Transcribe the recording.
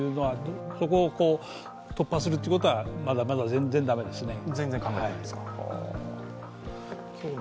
そこを突破することはまだまだ全然だめですね。